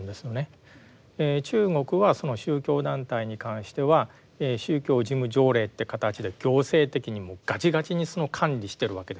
中国はその宗教団体に関しては宗教事務条例という形で行政的にもうガチガチにその管理してるわけですよ。